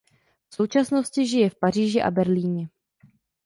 V současnosti žije v Paříži a Berlíně.